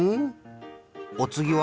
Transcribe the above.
おつぎは？